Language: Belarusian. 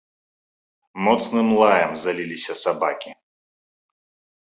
Моцным лаем заліліся сабакі.